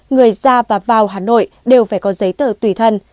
người ra và vào hà nội đều phải có giấy tờ tùy thân